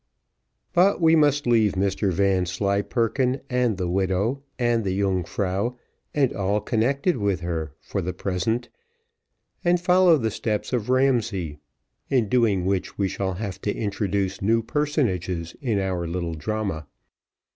But we must leave Mr Vanslyperken, and the widow, and the Yungfrau, and all connected with her, for the present, and follow the steps of Ramsay, in doing which we shall have to introduce new personages in our little drama.